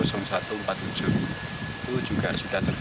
itu juga sudah terjadi